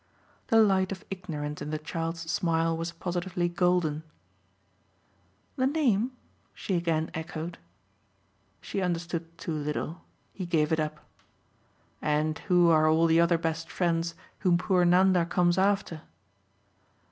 The light of ignorance in the child's smile was positively golden. "The name?" she again echoed. She understood too little he gave it up. "And who are all the other best friends whom poor Nanda comes after?"